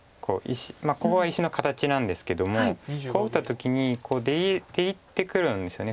ここが石の形なんですけどもこう打った時に出切ってくるんですよね